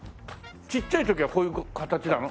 ちっちゃい時はこういう形なの？